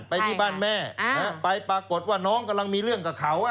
ไปที่บ้านแม่ไปปรากฏว่าน้องกำลังมีเรื่องกับเขา